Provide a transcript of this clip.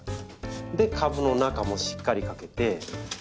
で株の中もしっかりかけて。